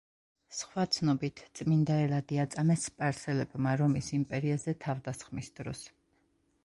სხვა ცნობით, წმინდა ელადი აწამეს სპარსელებმა რომის იმპერიაზე თავდასხმის დროს.